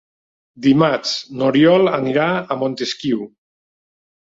Dimarts n'Oriol anirà a Montesquiu.